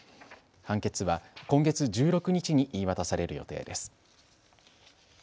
判決は今月１６日に言い渡される予定です。